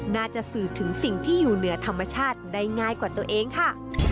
น่าจะสื่อถึงสิ่งที่อยู่เหนือธรรมชาติได้ง่ายกว่าตัวเองค่ะ